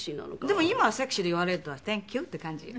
でも今はセクシーって言われるとサンキューっていう感じ。